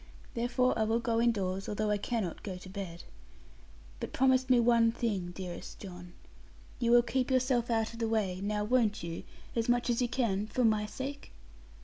Therefore I will go indoors, although I cannot go to bed. But promise me one thing, dearest John. You will keep yourself out of the way, now won't you, as much as you can, for my sake?'